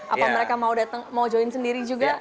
apa mereka mau datang mau join sendiri juga